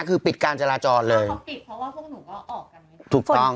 คือปิดการจราจรเลยเขาปิดเพราะว่าพวกหนูก็ออกกันถูกต้อง